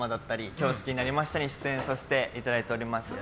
「今日、好きになりました。」に出演させていただいております。